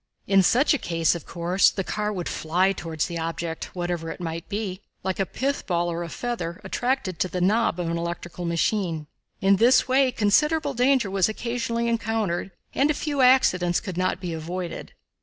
In such a case, of course, the car would fly toward the object, whatever it might be, like a pith ball or a feather, attracted to the knob of an electrical machine. In this way, considerable danger was occasionally encountered, and a few accidents could not be avoided.